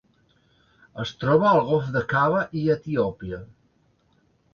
Es troba al golf d'Aqaba i Etiòpia.